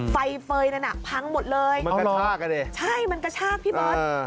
ไฟเฟย์นั้นพังหมดเลยใช่มันกระชากพี่บอส